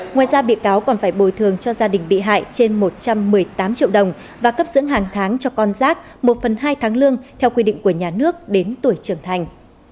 ngoài ra bị cáo còn phải bồi thường cho gia đình bị hại trên một trăm một mươi tám triệu đồng và cấp dưỡng hàng tháng cho con giác một phần hai tháng lương theo quy định của nhà nước đến tuổi trưởng thành